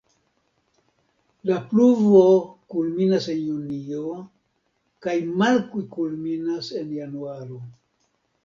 La pluvo kulminas en junio kaj malkulminas en januaro.